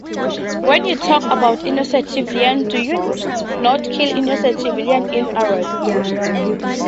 When you talk about innocent civilians, do you not kill innocent civilians in Iraq?